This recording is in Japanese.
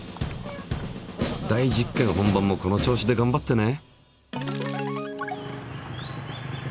大実験本番もこの調子でがんばってね。